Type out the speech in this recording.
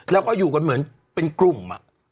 แล้วก็อยู่กันเหมือนเป็นกลุ่ม